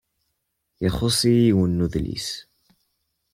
Ixuṣṣ-iyi yiwen n wedlis!